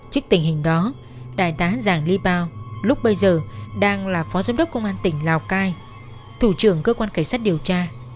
trước tình hình đó đại tá giàng ly bao lúc bây giờ đang là phó giám đốc công an tỉnh lào cai thủ trưởng cơ quan cảnh sát điều tra